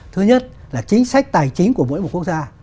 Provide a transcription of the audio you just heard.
thứ nhất là chính sách tài chính của mỗi một quốc gia